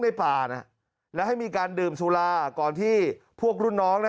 ในป่านะแล้วให้มีการดื่มสุราก่อนที่พวกรุ่นน้องนะ